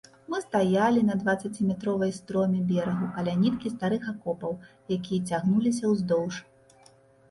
Мы стаялі на дваццаціметровай строме берагу, каля ніткі старых акопаў, якія цягнуліся ўздоўж.